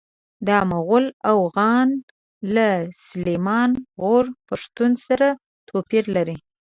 دا مغول اوغان له سلیمان غرو پښتنو سره توپیر لري.